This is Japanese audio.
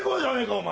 お前。